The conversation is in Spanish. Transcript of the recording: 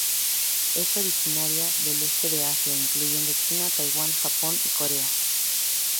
Es originaria del este de Asia, incluyendo China, Taiwán, Japón y Corea.